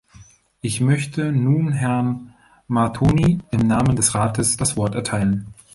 Ich möchte nun Herrn Martonyi im Namen des Rates das Wort erteilen.